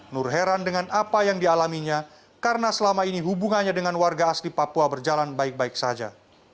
nur heran dengan apa yang dialaminya karena selama ini hubungannya dengan warga asli papua berjalan baik baik saja